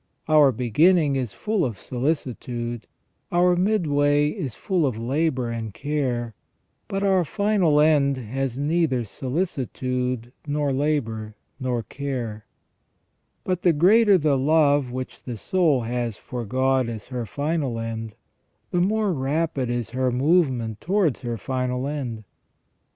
Our beginning is full of solicitude, our midway is full of labour and care, but our final end has neither sohcitude, nor labour, nor care. But the greater the love which 398 FROM THE BEGINNING TO THE END OF MAN the soul has for God as her final end, the more rapid is her move ment towards her final end.